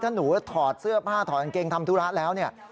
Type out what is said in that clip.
ถ้าหนูถอดเสื้อผ้าถอดกางเกงทำธุระแล้วเนี่ย